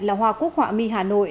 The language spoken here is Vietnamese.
là hoa cúc họa mi hà nội